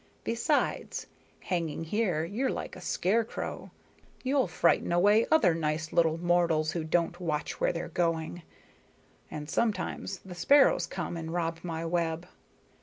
Besides, hanging here you're like a scarecrow, you'll frighten away other nice little mortals who don't watch where they're going. And sometimes the sparrows come and rob my web.